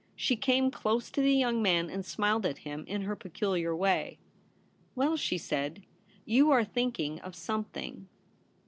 She came close to the young man and smiled at him in her peculiar way. ' Well/ she said, ^ you are thinking of something.'